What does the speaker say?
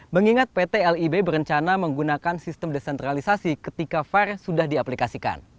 mengingat pt lib berencana menggunakan sistem desentralisasi ketika var sudah diaplikasikan